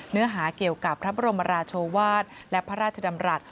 เนื้อหาเกี่ยวกับพระบรมราชวาสและพระราชดำรัฐ